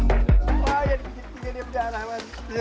wah ya dikit dikit dia berdarah mas